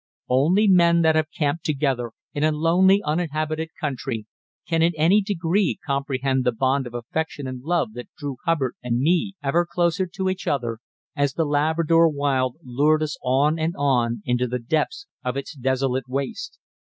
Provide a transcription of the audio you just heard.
Only men that have camped together in a lonely, uninhabited country can in any degree comprehend the bond of affection and love that drew Hubbard and me ever closer to each other, as the Labrador Wild lured us on and on into the depths of its desolate waste.